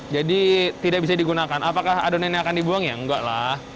jadi tidak bisa digunakan apakah adonannya akan dibuang ya enggak lah